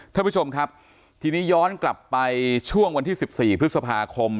ท่านผู้ชมครับทีนี้ย้อนกลับไปช่วงวันที่๑๔พฤษภาคม